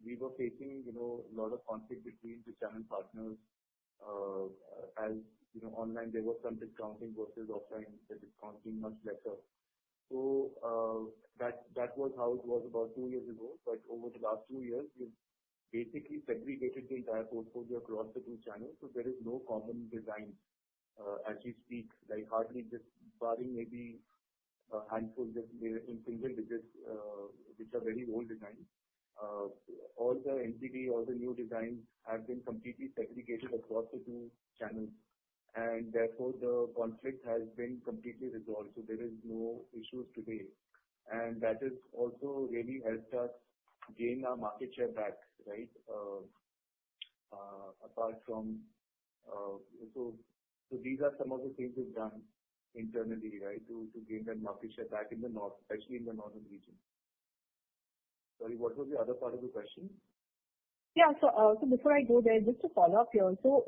we were facing, you know, a lot of conflict between the channel partners as, you know, online there was some discounting versus offline, the discounting much lesser. So that was how it was about two years ago. But over the last two years, we've basically segregated the entire portfolio across the two channels. So there is no common design as we speak. Like hardly just barring maybe a handful just in single digits, which are very old designs. All the entity, all the new designs have been completely segregated across the two channels. Therefore, the conflict has been completely resolved. So there are no issues today, and that has also really helped us gain our market share back, right? These are some of the things we've done internally, right, to gain that market share back in the north, especially in the northern region. Sorry, what was the other part of the question? Yeah. So before I go there, just to follow up here. So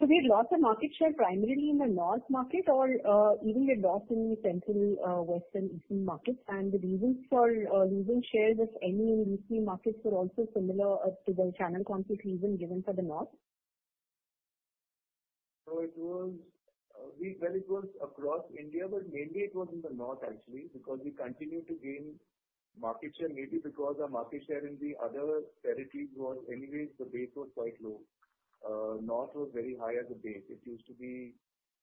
we've lost the market share primarily in the north market or even we've lost in the central, western, eastern markets? And the reasons for losing shares, if any, in these three markets were also similar to the channel conflict reason given for the north? So it was, well, it was across India, but mainly it was in the north actually because we continued to gain market share maybe because our market share in the other territories was anyway, the base was quite low. North was very high as a base. It used to be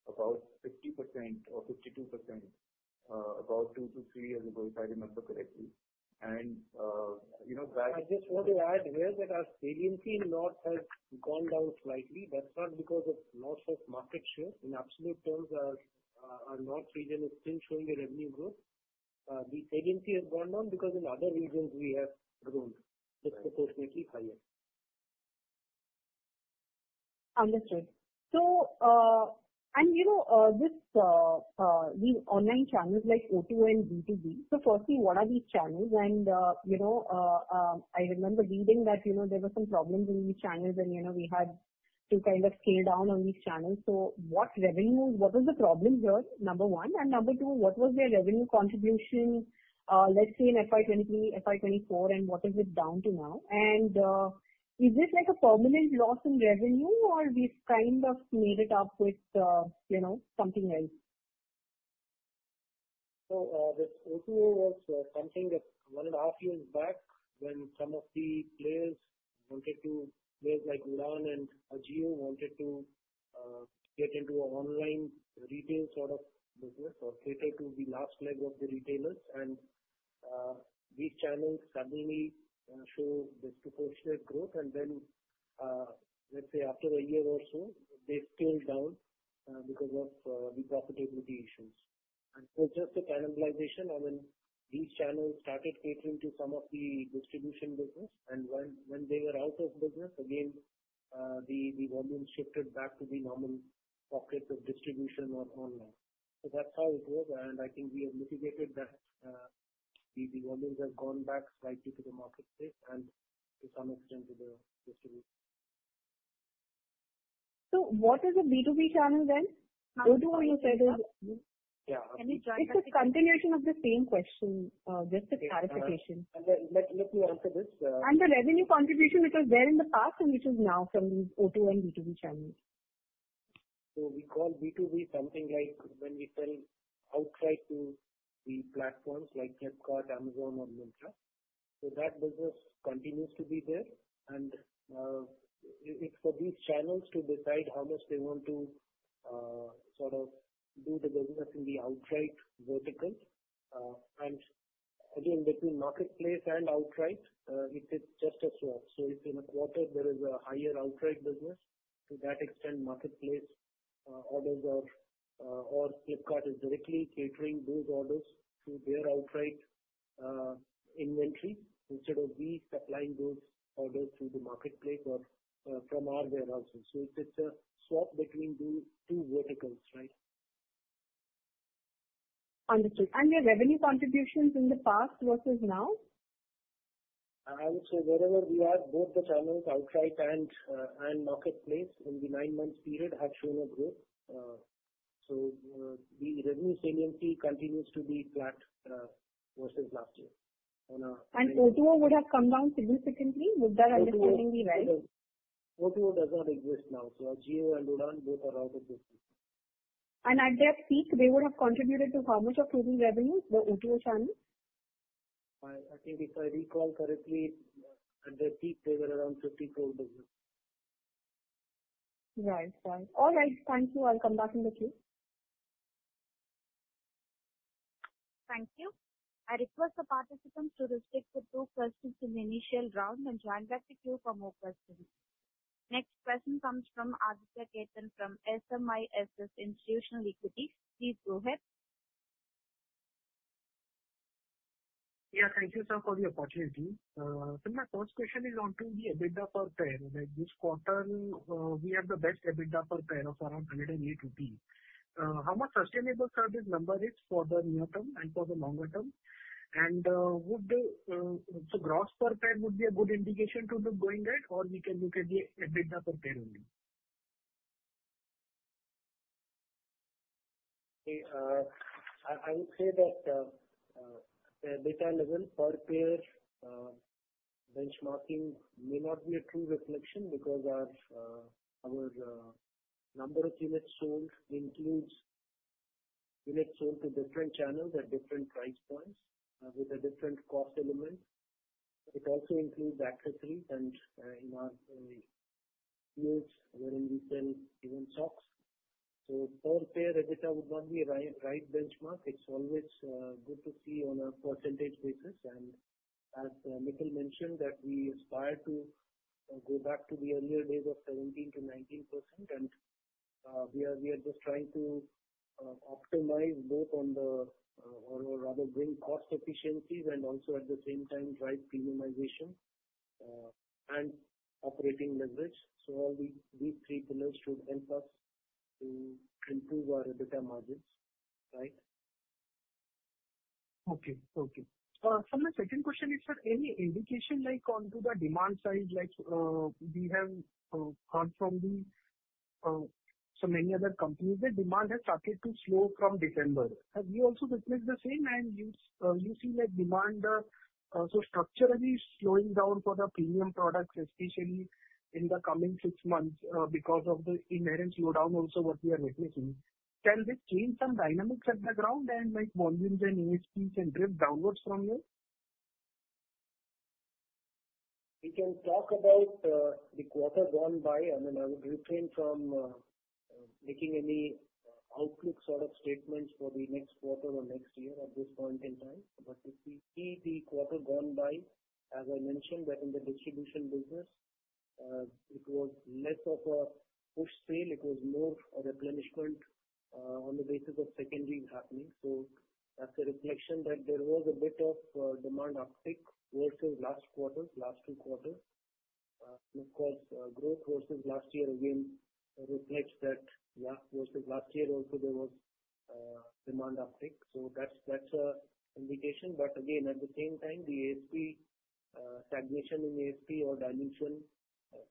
about 50% or 52% about two to three years ago, if I remember correctly. And, you know, that. I just want to add here that our salience in North has gone down slightly. That's not because of loss of market share. In absolute terms, our North region is still showing a revenue growth. The salience has gone down because in other regions we have grown disproportionately higher. Understood. So, and you know, these online channels like O2O and B2B, so firstly, what are these channels? And, you know, I remember reading that, you know, there were some problems in these channels and, you know, we had to kind of scale down on these channels. So what revenue, what was the problem here, number one? And number two, what was their revenue contribution, let's say in FY23, FY24, and what is it down to now? And is this like a permanent loss in revenue or we've kind of made it up with, you know, something else? So with O2O, it was something that one and a half years back when some of the players wanted to. Players like Udaan and Ajio wanted to get into an online retail sort of business or cater to the last leg of the retailers. And these channels suddenly show disproportionate growth. And then, let's say after a year or so, they scaled down because of the profitability issues. And it was just a cannibalization. And then these channels started catering to some of the distribution business. And when they were out of business, again, the volumes shifted back to the normal pockets of distribution online. So that's how it was. And I think we have mitigated that. The volumes have gone back slightly to the marketplace and to some extent to the distribution. So what is the B2B channel then? O2O, you said it. Yeah. Just a continuation of the same question, just a clarification. Let me answer this. The revenue contribution, it was there in the past and which is now from these O2O and B2B channels? So we call B2B something like when we sell outside to the platforms like Flipkart, Amazon, or Myntra. So that business continues to be there. And it's for these channels to decide how much they want to sort of do the business in the outright vertical. And again, between marketplace and outright, it is just a swap. So if in a quarter there is a higher outright business, to that extent marketplace orders or Flipkart is directly catering those orders to their outright inventory instead of we supplying those orders through the marketplace or from our warehouses. So it's a swap between two verticals, right? Understood, and the revenue contributions in the past versus now? I would say wherever we are, both the channels outlet and marketplace in the nine-month period have shown a growth. So the revenue resiliency continues to be flat versus last year. O2O would have come down significantly? Was that understanding me right? O2O does not exist now. So Ajio and Udaan both are out of business. At their peak, they would have contributed to how much of total revenue? The O2O channel? I think if I recall correctly, at their peak, they were around 50% business. Right. Right. All right. Thank you. I'll come back in the queue. Thank you. I request the participants to restrict the two questions in the initial round and join back to Q for more questions. Next question comes from Aditya Khetan from SMIFS Institutional Equity. Please go ahead. Yeah. Thank you, sir, for the opportunity. So my first question is onto the EBITDA per pair. Like this quarter, we have the best EBITDA per pair of around 108 rupees. How sustainable is this number for the near term and for the longer term? And would the gross per pair be a good indication to look going ahead or we can look at the EBITDA per pair only? I would say that the EBITDA level per pair benchmarking may not be a true reflection because our number of units sold includes units sold to different channels at different price points with a different cost element. It also includes accessories and in our fields] wherein we sell even socks. So per pair EBITDA would not be a right benchmark. It's always good to see on a percentage basis. And as Nikhil mentioned, that we aspire to go back to the earlier days of 17%-19%. And we are just trying to optimize both on the, or rather bring cost efficiencies and also at the same time drive premiumization and operating leverage. So all these three pillars should help us to improve our EBITDA margins, right? Okay. Okay, so my second question is, sir, any indication like onto the demand side? Like we have heard from so many other companies that demand has started to slow from December. Have you also witnessed the same, and you see that demand so structurally slowing down for the premium products, especially in the coming six months because of the inherent slowdown also what we are witnessing. Can this change some dynamics at the ground and like volumes and ASPs and drift downwards from there? We can talk about the quarter gone by. I mean, I would refrain from making any outlook sort of statements for the next quarter or next year at this point in time, but if we see the quarter gone by, as I mentioned, that in the distribution business, it was less of a push sale. It was more a replenishment on the basis of secondary happening, so that's a reflection that there was a bit of demand uptick versus last quarter, last two quarters, and of course, growth versus last year again reflects that, yeah, versus last year also there was demand uptick, so that's an indication, but again, at the same time, the ASP stagnation in ASP or dimension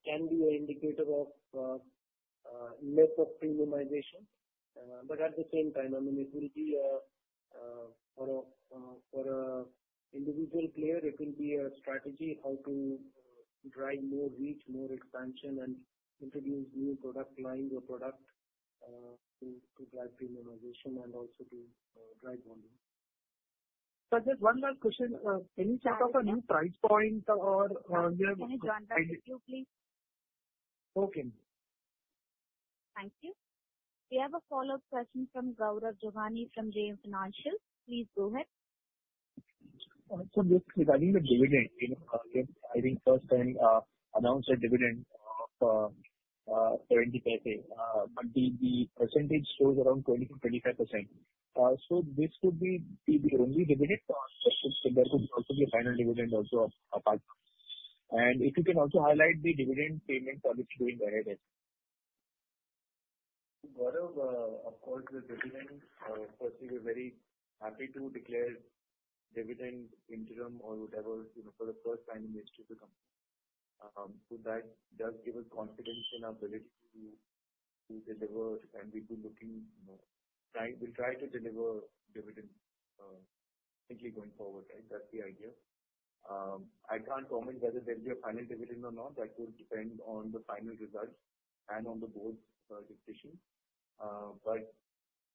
can be an indicator of less of premiumization. But at the same time, I mean, it will be for an individual player, it will be a strategy how to drive more reach, more expansion, and introduce new product lines or product to drive premiumization and also to drive volume. Sir, just one last question. Any sort of a new price point or? Can you join back to Q, please? Okay. Thank you. We have a follow-up question from Gaurav Jogani from JM Financial. Please go ahead. So regarding the dividend, I think first announced a dividend of 70%. But the percentage shows around 20%-25%. So this could be the only dividend, or there could also be a final dividend also apart. And if you can also highlight the dividend payment policy going ahead as well. Gaurav, of course, the dividend, of course, we were very happy to declare dividend interim or whatever, you know, for the first time in the history of the company. So that does give us confidence in our ability to deliver, and we'll be looking, we'll try to deliver dividends simply going forward, right? That's the idea. I can't comment whether there'll be a final dividend or not. That will depend on the final results and on the board's decision. But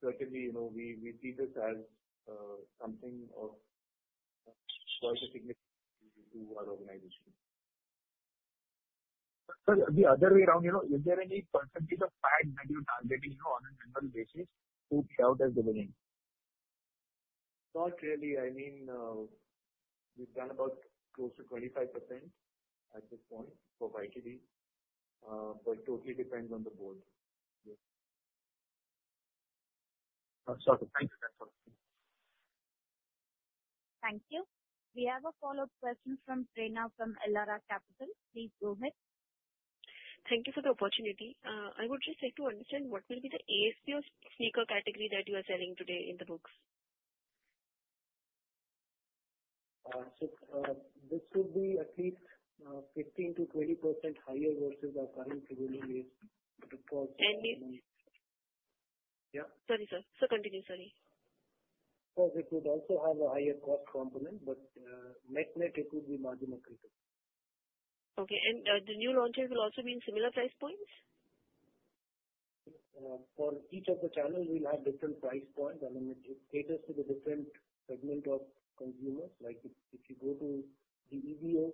certainly, you know, we see this as something of quite a significant impact to our organization. Sir, the other way around, you know, is there any percentage of PAG that you're targeting, you know, on a general basis to pay out as dividends? Not really. I mean, we've done about close to 25% at this point for YTD, but totally depends on the board. Sorry. Thank you. Thank you. We have a follow-up question from Prerna from Elara Capital. Please go ahead. Thank you for the opportunity. I would just like to understand what will be the ASP or sneaker category that you are selling today in the books? So this would be at least 15%-20% higher versus our current premium ASP. Of course. And if. Yeah? Sorry, sir, so continue, sorry. Of course, it would also have a higher cost component, but net net, it would be margin or return. Okay. And the new launches will also be in similar price points? For each of the channels, we'll have different price points. I mean, it caters to the different segment of consumers. Like if you go to the EBO,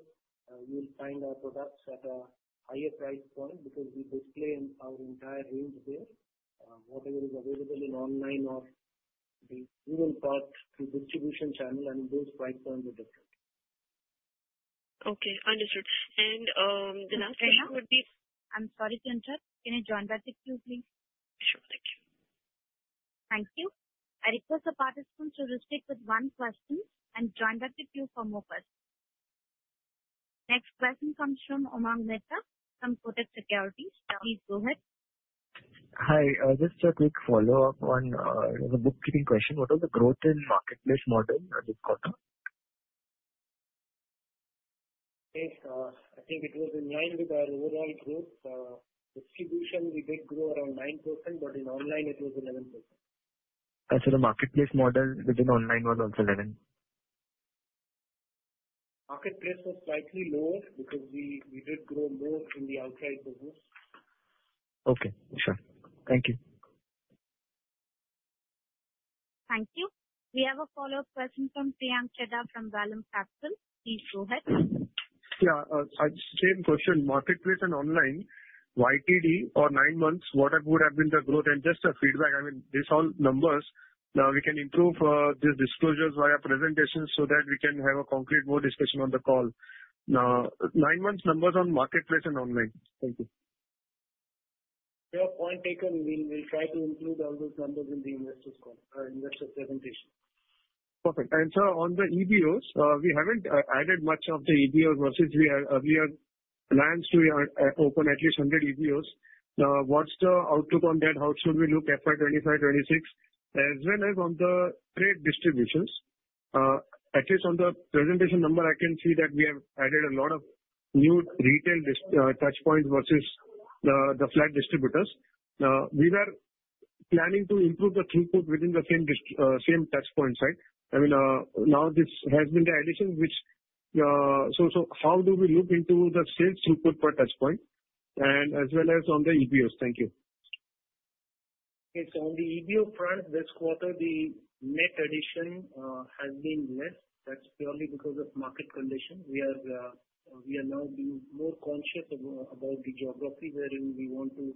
you'll find our products at a higher price point because we display our entire range there. Whatever is available in online or the single-brand distribution channel, I mean, those price points are different. Okay. Understood, and the last question would be. I'm sorry, Prerna. Can you join back to Q, please? Sure. Thank you. Thank you. I request the participants to restrict with one question and join back to Q for more questions. Next question comes from Umang Mehta from Kotak Securities. Please go ahead. Hi. Just a quick follow-up on the bookkeeping question. What was the growth in marketplace model this quarter? I think it was in line with our overall growth. Distribution, we did grow around 9%, but in online, it was 11%. The marketplace model within online was also 11? Marketplace was slightly lower because we did grow more in the outside business. Okay. Sure. Thank you. Thank you. We have a follow-up question from Priyank Chheda from Vallum Capital. Please go ahead. Yeah. Same question. Marketplace and online, YTD or nine months, what would have been the growth, and just a feedback. I mean, these are all numbers. We can improve these disclosures via presentations so that we can have a more concrete discussion on the call. Nine months numbers on marketplace and online. Thank you. Fair point, Kendra. We'll try to include all those numbers in the investor's presentation. Perfect. And sir, on the EBOs, we haven't added much of the EBOs versus we have plans to open at least 100 EBOs. What's the outlook on that? How should we look FY25, FY26? As well as on the trade distributors, at least on the presentation number, I can see that we have added a lot of new retail touch points versus the flat distributors. We were planning to improve the throughput within the same touch points, right? I mean, now this has been the addition, which so how do we look into the sales throughput per touch point? And as well as on the EBOs. Thank you. Okay, so on the EBO front, this quarter, the net addition has been less. That's purely because of market conditions. We are now being more conscious about the geography wherein we want to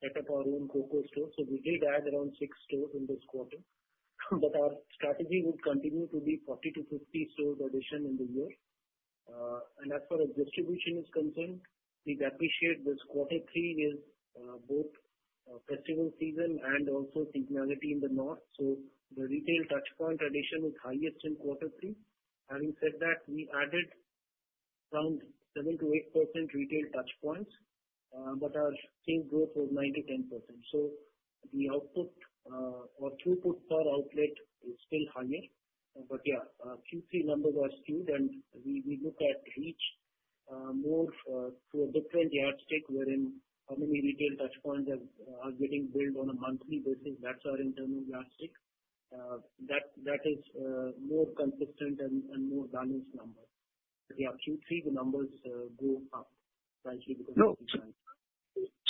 set up our own COCO store, so we did add around six stores in this quarter, but our strategy would continue to be 40-50 stores addition in the year, and as far as distribution is concerned, we'd appreciate this quarter three is both festival season and also seasonality in the north, so the retail touch point addition is highest in quarter three. Having said that, we added around 7%-8% retail touch points, but our same growth was 9%-10%, so the output or throughput per outlet is still higher. But yeah, Q3 numbers are skewed, and we look at reach more to a different yardstick wherein how many retail touch points are getting built on a monthly basis. That's our internal yardstick. That is more consistent and more balanced number. Yeah, Q3, the numbers go up slightly because of the time.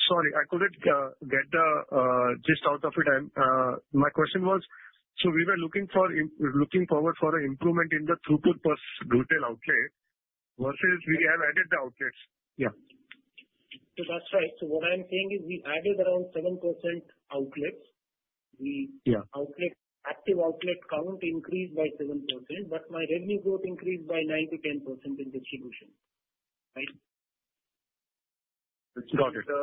Sorry, I couldn't get just out of it. My question was, so we were looking forward for an improvement in the throughput per retail outlet versus we have added the outlets. Yeah. That's right. What I'm saying is we added around 7% outlets. The active outlet count increased by 7%, but my revenue growth increased by 9%-10% in distribution, right? Got it. So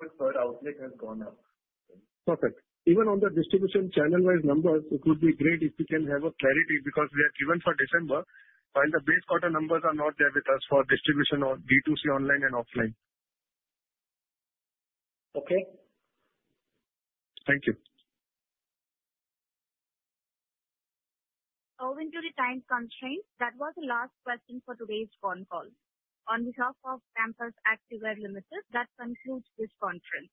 the outlet has gone up. Perfect. Even on the distribution channel-wise numbers, it would be great if we can have a clarity because we are given for December, while the base quarter numbers are not there with us for distribution on D2C online and offline. Okay. Thank you. Owing to the time constraints, that was the last question for today's phone call. On behalf of Campus Activewear Ltd, that concludes this conference.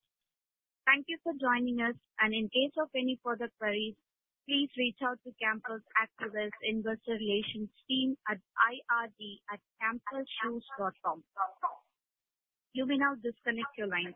Thank you for joining us. And in case of any further queries, please reach out to Campus Activewear's investor relations team at ir@campusshoes.com. You may now disconnect your line.